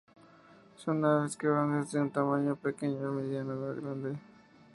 Son aves que van desde un tamaño pequeño al mediano a grande.